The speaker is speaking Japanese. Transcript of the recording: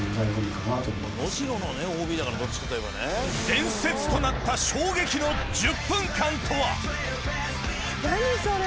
伝説となった衝撃の１０分間とは何それ。